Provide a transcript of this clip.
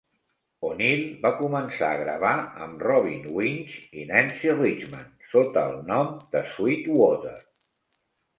O'Neill va començar a gravar amb Robin Winch i Nancy Richman sota el nom de Suitewater.